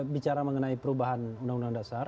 bicara mengenai perubahan undang undang dasar